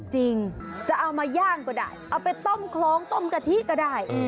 จะเอามาย่างก็ได้เอาไปต้มคล้องต้มกะทิก็ได้